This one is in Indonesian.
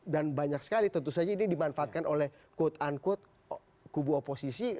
dan banyak sekali tentu saja ini dimanfaatkan oleh quote unquote kubu oposisi